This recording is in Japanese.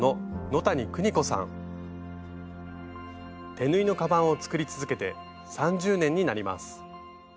手縫いのカバンを作り続けて３０年になります。